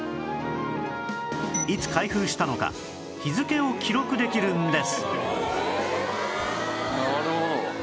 いつ開封したのか日付を記録できるんです